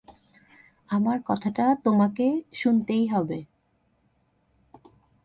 আমার কথাটা তোমাকে শুনতেই হবে।